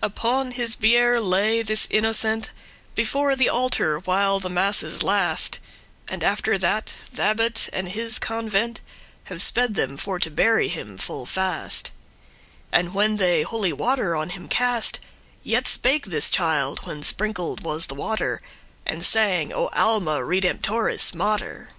Upon his biere lay this innocent Before the altar while the masses last';* *lasted And, after that, th' abbot with his convent Have sped them for to bury him full fast; And when they holy water on him cast, Yet spake this child, when sprinkled was the water, And sang, O Alma redemptoris mater!